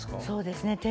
そうですね。